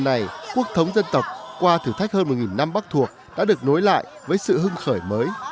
này quốc thống dân tộc qua thử thách hơn một năm bắc thuộc đã được nối lại với sự hưng khởi mới